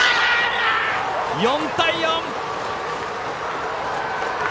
４対４。